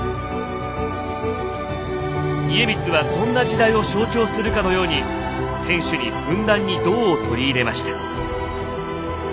家光はそんな時代を象徴するかのように天守にふんだんに銅を取り入れました。